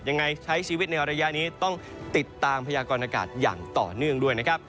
ยังไงใช้ชีวิตในระยะนี้ต้องติดตามพยากรณากาศอย่างต่อเนื่องด้วยนะครับ